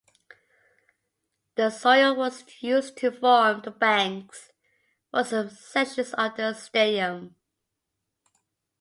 The soil was used to form the banks for some sections of the stadium.